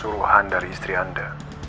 suruhan dari istri anda